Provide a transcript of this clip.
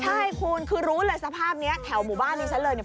ใช่คุณคือรู้เลยสภาพเนี้ยแถวหมู่บ้านนี่ซะละเนี้ย